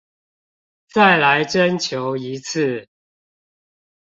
再來徵求一次